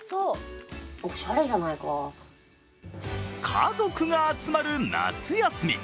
家族が集まる夏休み。